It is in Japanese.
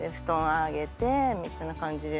みたいな感じで。